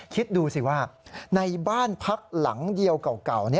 คิดดูสิว่าในบ้านพักหลังเดียวเก่า